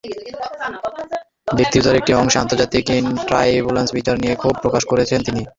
বক্তৃতার একটি অংশে আন্তর্জাতিক ট্রাইব্যুনালের বিচার নিয়ে ক্ষোভ প্রকাশ করেছেন তিনি।